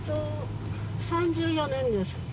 ３４年です。